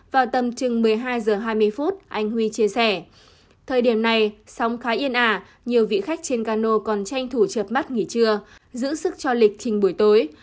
vào tầm chừng một mươi hai h hai mươi phút anh huy chia sẻ thời điểm này sóng khá yên ả nhiều vị khách trên cano còn tranh thủ chập mắt nghỉ trưa giữ sức cho lịch trình buổi tối